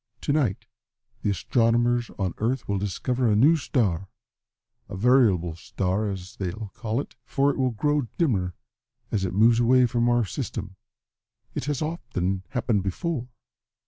To night the astronomers on Earth will discover a new star a variable star as they'll call it for it will grow dimmer as it moves away from our system. It has often happened before."